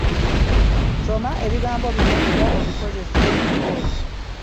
Soma ebigambo bino era obikozese mu mboozi.